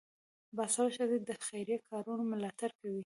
باسواده ښځې د خیریه کارونو ملاتړ کوي.